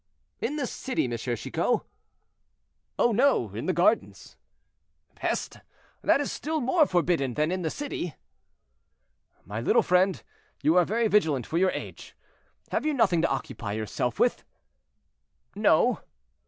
"In the city, M. Chicot?" "Oh no! in the gardens." "Peste! that is still more forbidden than in the city." "My little friend, you are very vigilant for your age. Have you nothing to occupy yourself with?" "No."